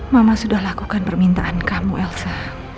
mama sudah lakukan permintaan kamu elsa